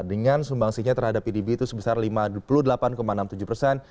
dengan sumbangsinya terhadap pdb itu sebesar lima puluh delapan enam puluh tujuh persen